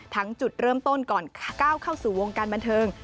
จุดเริ่มต้นก่อนก้าวเข้าสู่วงการบันเทิง